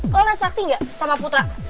lo liat sakti gak sama putra